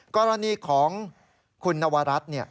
กรณีของคุณนวรัฐ